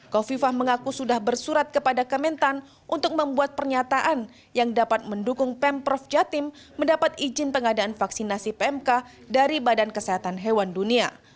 kofifah mengaku sudah bersurat kepada kementan untuk membuat pernyataan yang dapat mendukung pemprov jatim mendapat izin pengadaan vaksinasi pmk dari badan kesehatan hewan dunia